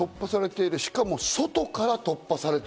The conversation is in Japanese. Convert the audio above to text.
しかも、外から突破されてい